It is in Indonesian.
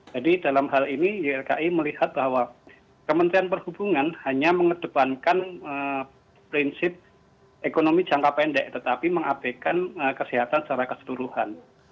jadi dalam hal ini ylki melihat bahwa kementerian perhubungan hanya mengedepankan prinsip ekonomi jangka pendek tetapi mengabekkan kesehatan secara keseluruhan